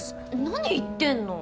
なに言ってんの！